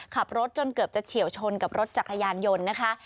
ขับรถจนเกือบจะเฉียวชนกับรถจักรยานยนต์นะคะ